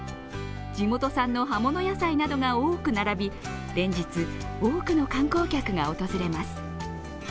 地元産の葉物野菜などが多く並び、連日、多くの観光客が訪れます。